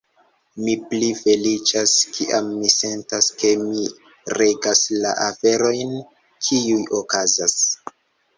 Mi pli feliĉas, kiam mi sentas ke mi regas la aferojn, kiuj okazas.